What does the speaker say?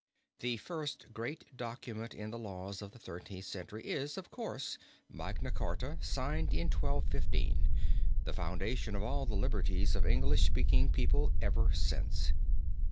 The first great document in the laws of the Thirteenth Century is, of course, Magna Charta, signed in 1215, the foundation of all the liberties of English speaking people ever since.